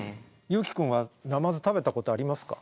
優樹くんはナマズ食べたことありますか？